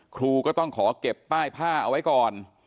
ครูก็ต้องขอเก็บป้ายผ้าเอาไว้ก่อน